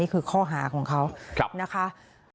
นี่คือข้อหาของเขานะคะ